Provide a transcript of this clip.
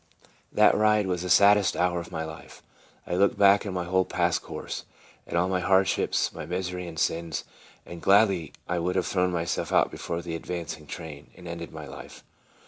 12 TRANSFORMED. That ride was the saddest hour of my life. I looked back on my whole past course, at all my hardships, my misery and sins, and gladly would I have thrown myself out before the advancing train, and ended my life.